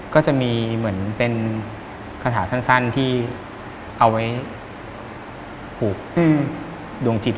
ก็จะมีเหมือนเป็นคาถาสั้นที่เอาไว้ผูกดวงจิต